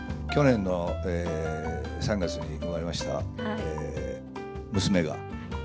去年の３月に産まれました娘が。